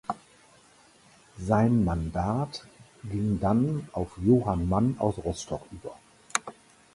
Sein Mandat ging dann auf Johann Mann aus Rostock über.